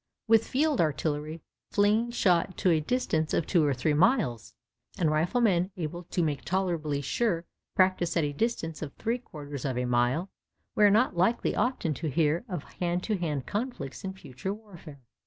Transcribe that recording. With field artillery flinging shot to a distance of two or three miles, and riflemen able to make tolerably sure practice at a distance of three quarters of a mile, we are not likely often to hear of hand to hand conflicts in future warfare.